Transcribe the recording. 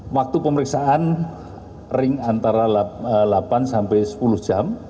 waktu pemeriksaan ring antara delapan sampai sepuluh jam